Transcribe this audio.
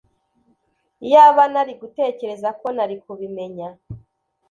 iyaba nari gutekereza ko nari kubimenya